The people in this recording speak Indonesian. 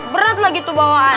berat lagi tuh bawaan